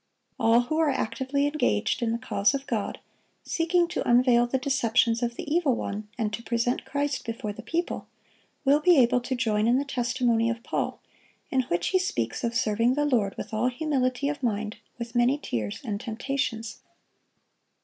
All who are actively engaged in the cause of God, seeking to unveil the deceptions of the evil one and to present Christ before the people, will be able to join in the testimony of Paul, in which he speaks of serving the Lord with all humility of mind, with many tears and temptations.